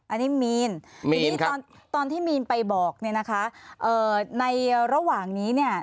อันนี้มีนทีนี้ตอนที่มีนไปบอกเนี่ยนะคะในระหว่างนี้เนี่ย